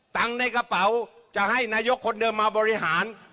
ในกระเป๋าจะให้นายกคนเดิมมาบริหาร